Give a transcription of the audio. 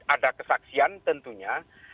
ada kesaksian tentunya